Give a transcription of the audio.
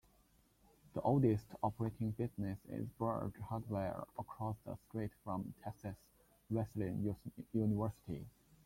The oldest operating business is Burge Hardware, across the street from Texas Wesleyan University.